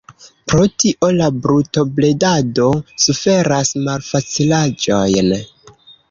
Pro tio la brutobredado suferas malfacilaĵojn.